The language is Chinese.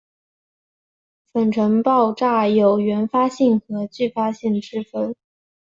粉尘爆炸有原发性和继发性之分。